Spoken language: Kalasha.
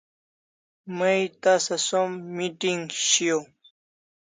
May tasa som meeting shiaw